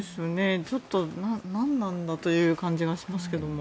ちょっと何なんだという感じがしますけども。